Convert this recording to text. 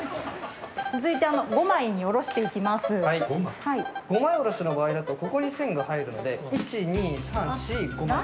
続いて５枚おろしの場合だとここに線が入るので１２３４５枚。